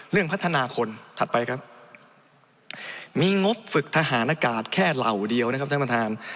เรื่องพัฒนาคนถัดไปครับมีงบฝึกทหารอากาศแค่เหล่าเดียวนะครับท่านประธาน